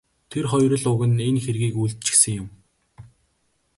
Тэр хоёр л уг нь энэ хэргийг үйлдчихсэн юм.